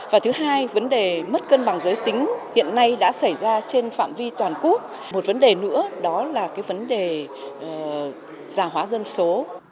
và thứ hai vấn đề mất cân bằng giới tính hiện nay đã xảy ra trên phạm vi toàn quốc một vấn đề nữa đó là cái vấn đề giả hóa dân số